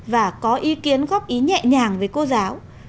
và có ý kiến góp ý nhẹ nhàng với cô giáo